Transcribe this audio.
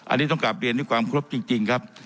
อันนี้ต้องกลับเรียนด้วยความครบจริงครับ